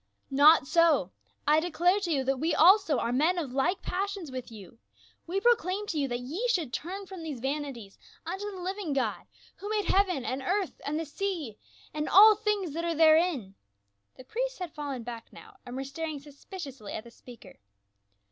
" Not so ! I declare to you that we also are men of like passions with you ; we proclaim to you that 298 PA UL. ye should turn from these vanities unto the Hving God, who made heaven, and earth, and the sea, and all things that are therein." The priests had fallen back now, and were staring suspiciously at the speaker.